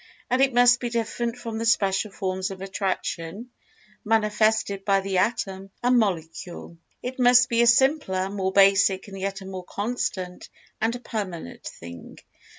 And it must be different from the special forms of Attraction manifested by the Atom and Molecule. It must be a simpler, more basic, and yet a more constant and permanent thing.